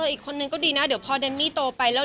อีกคนนึงก็ดีนะเดี๋ยวพอเดมมี่โตไปแล้ว